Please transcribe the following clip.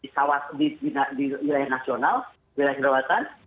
di wilayah nasional wilayah kerajaan